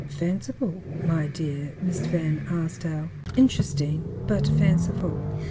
"Fanciful, my dear Miss Van Arsdale! Interesting, but fanciful."